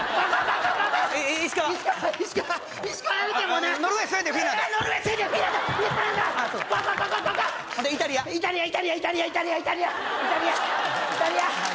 ほんでイタリアイタリアイタリアイタリアイタリアイタリアああ